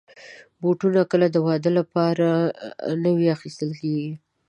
بوټونه کله د واده لپاره نوي اخیستل کېږي.